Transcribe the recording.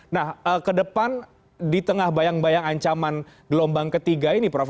nah ke depan di tengah bayang bayang ancaman gelombang ketiga ini prof